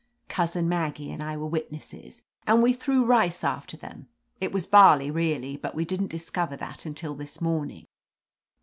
Cousin Maggie and I were witnesses, and we threw rice after them. It was barley, really, but we didn't discover that until this morning."